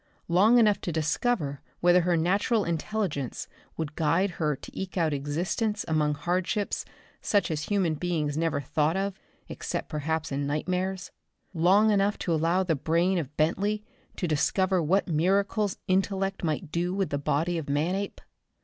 Long enough to discover whether her natural intelligence would guide her to eke out existence among hardships such as human beings never thought of, except perhaps in nightmares? Long enough to allow the brain of Bentley to discover what miracles intellect might do with the body of Manape?